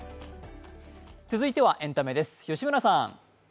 続いてはエンタメです、吉村さん。